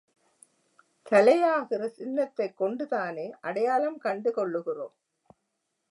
தலையாகிற சின்னத்தைக் கொண்டுதானே அடையாளம் கண்டு கொள்ளுகிறோம்?